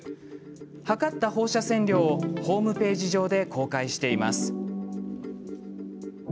測った放射線量をホームページ上で公開しています。